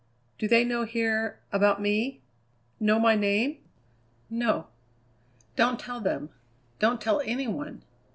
Do they know here about me? know my name?" "No." "Don't tell them. Don't tell any one.